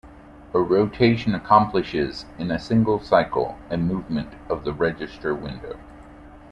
A rotation accomplishes in a single cycle a movement of the register window.